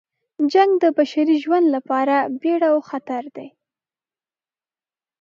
جنګ د بشري ژوند لپاره بیړه او خطر ده.